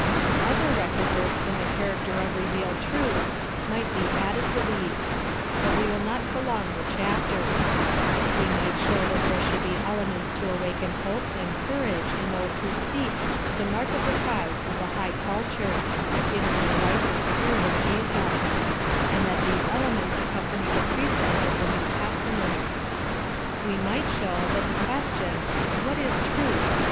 Other requisites in the character of revealed truth might be added to these ; but we will not prolong the chapter. We might show that there should be elements to awaken hope and courage in those who seek the " mark of the prize of the high cut' ture^^'' given in the life and spirit of Jesus ; and that these elements accompany the precept of the New Testament. PLAN OF SALVATION. 283 » We might show that the question, "What is Truth